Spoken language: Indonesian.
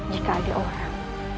jika ada orang